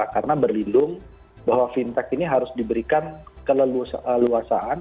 karena berlindung bahwa fintech ini harus diberikan keleluasaan